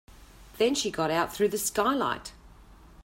Then she got out through the skylight.